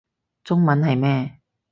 中文係咩